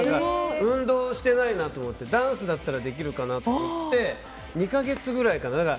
運動してないなと思ってダンスだったらできるかなって２か月くらいかな。